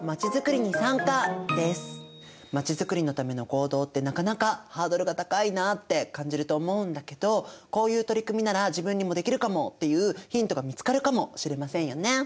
まちづくりのための行動ってなかなかハードルが高いなって感じると思うんだけどこういう取り組みなら自分にもできるかもっていうヒントが見つかるかもしれませんよね。